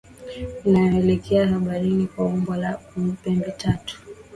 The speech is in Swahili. inayoelekea baharini kwa umbo la pembetatu